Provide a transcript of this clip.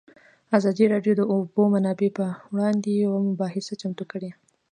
ازادي راډیو د د اوبو منابع پر وړاندې یوه مباحثه چمتو کړې.